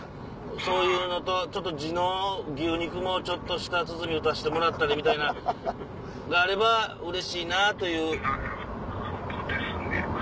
そういうのとちょっと地の牛肉も舌鼓打たしてもらったりみたいなあればうれしいな！という。